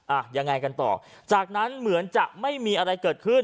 อ่ะยังไงกันต่อจากนั้นเหมือนจะไม่มีอะไรเกิดขึ้น